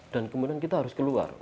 dan kemudian kita harus keluar